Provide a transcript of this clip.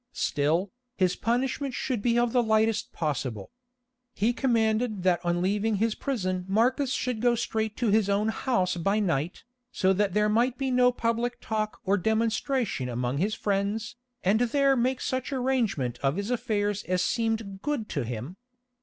Still, his punishment should be of the lightest possible. He commanded that on leaving his prison Marcus should go straight to his own house by night, so that there might be no public talk or demonstration among his friends, and there make such arrangement of his affairs as seemed good to him.